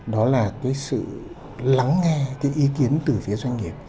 đó là cái sự lắng nghe cái ý kiến từ phía doanh nghiệp